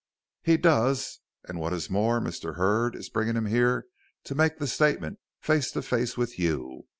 "He does, and what is more, Mr. Hurd is bringing him here to make the statement, face to face with you.